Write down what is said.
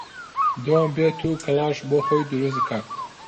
دۆم بێت و کڵاش بۆ خۆی دروست کات